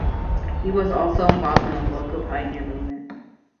He was also involved in the local pioneer movement.